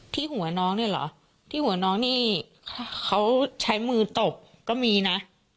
ที่หัวน้องเนี่ยเหรอที่หัวน้องนี่เขาใช้มือตบก็มีนะ